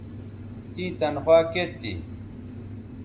تیں تنخوا کیئت تھی